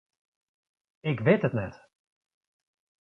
Ik wit it net.